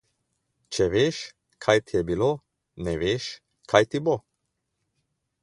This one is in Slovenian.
Če veš, kaj ti je bilo, ne veš, kaj ti bo.